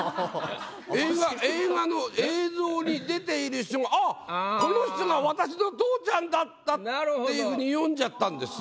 映画映画の映像に出ている人がああこの人が私の父ちゃんだった！っていうふうに読んじゃったんですよ。